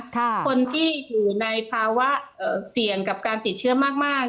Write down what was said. คนที่อยู่ในภาวะเสี่ยงกับการติดเชื้อมาก